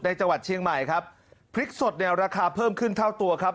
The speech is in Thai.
จังหวัดเชียงใหม่ครับพริกสดเนี่ยราคาเพิ่มขึ้นเท่าตัวครับ